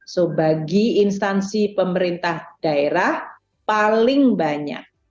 jadi bagi instansi pemerintah daerah paling banyak